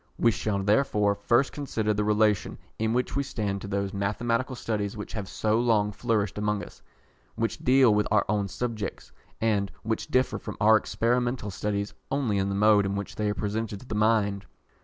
We shall therefore first consider the relation in which we stand to those mathematical studies which have so long flourished among us, which deal with our own subjects, and which differ from our experimental studies only in the mode in which they are presented to the mind.